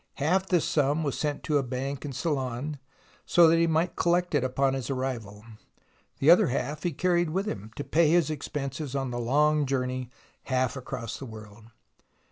Half this sum was sent to a bank in Ceylon so that he might collect it on his arrival, the other half he carried with him to pay his expenses on the long journey half across the world.